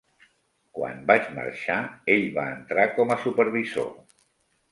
Quan vaig marxar, ell va entrar com a supervisor.